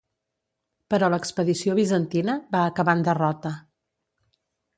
Però l'expedició bizantina va acabar en derrota.